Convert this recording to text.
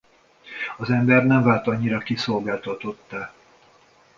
Az ember nem vált annyira kiszolgáltatottá.